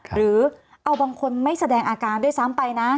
หรือเอาบางคนไม่แสดงอาการด้วยซ้ำไปนะ